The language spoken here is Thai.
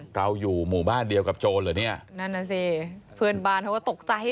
เราอยู่หมู่บ้านเดียวกับโจรเหรอเนี่ยนั่นน่ะสิเพื่อนบ้านเขาก็ตกใจ